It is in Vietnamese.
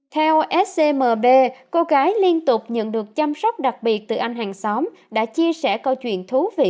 theo scmb cô gái liên tục nhận được chăm sóc đặc biệt từ anh hàng xóm đã chia sẻ câu chuyện thú vị